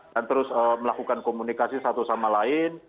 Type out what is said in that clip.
dan terus melakukan komunikasi satu sama lain